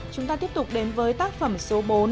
chúng ta tiếp tục đến với tác phẩm số bốn